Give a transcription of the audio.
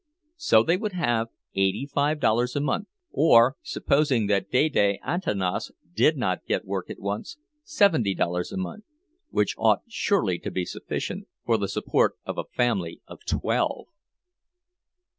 So they would have eighty five dollars a month—or, supposing that Dede Antanas did not get work at once, seventy dollars a month—which ought surely to be sufficient for the support of a family of twelve.